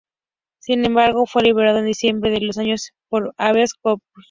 Sin embargo, fue liberado en diciembre del año siguiente por hábeas corpus.